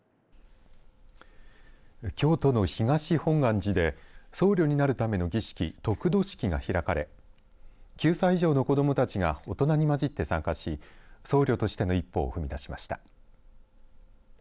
京都の東本願寺で僧侶になるための儀式得度式が開かれ９歳以上の子どもたちが大人に交じって参加し僧侶としての一歩を踏み出しました。